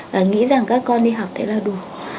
và nghĩ rằng các con đi học thấy là đủ